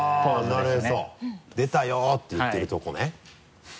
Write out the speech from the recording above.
なるへそ「出たよ！」って言ってるとこね。